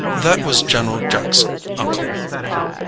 "That was General Jackson, uncle."